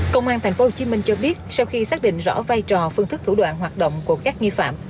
công an tp hcm cho biết sau khi xác định rõ vai trò phương thức thủ đoạn hoạt động của các nghi phạm